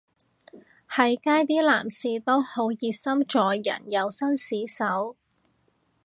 喺街啲男士都好熱心助人又紳士手